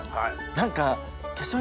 何か。